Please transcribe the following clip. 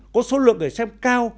có số lượng người xem cao